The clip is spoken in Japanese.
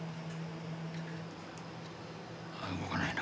ああ動かないな。